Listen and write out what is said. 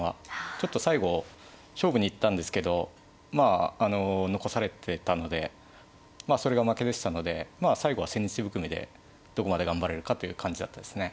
ちょっと最後勝負に行ったんですけどまああの残されてたのでまあそれが負けでしたのでまあ最後は千日手含みでどこまで頑張れるかという感じだったですね。